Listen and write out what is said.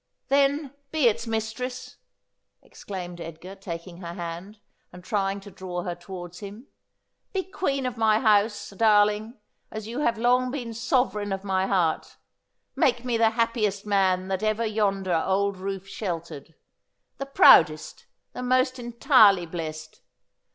' Then be it's mistress,' exclaimed Edgar, taking her hand, and trying to draw her towards him ;' be queen of my house, darling, as you have long been sovereign of my heart. Make me the happiest man that ever yonder old roof sheltered — the proudest, the most entirely blest.